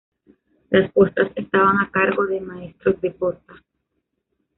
Las postas estaban a cargo de maestros de posta.